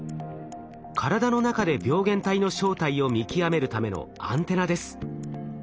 体の中で病原体の正体を見極めるためのアンテナです。